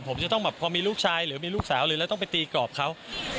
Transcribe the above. ผมจะต้องมีลูกชายหรือลูกสาวเลยต้องไปตีกรอบเขา